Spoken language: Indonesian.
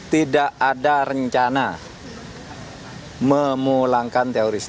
tidak ada rencana memulangkan terorisme